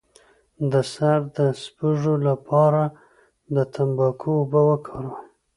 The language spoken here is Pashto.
د سر د سپږو لپاره د تنباکو اوبه وکاروئ